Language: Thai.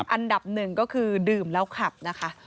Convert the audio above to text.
อันดับหนึ่งก็คือดื่มแล้วขับนะคะ